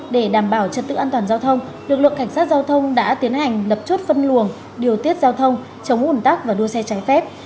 để đảm bảo trật tự an toàn giao thông lực lượng cảnh sát giao thông đã tiến hành lập chốt phân luồng điều tiết giao thông chống ủn tắc và đua xe trái phép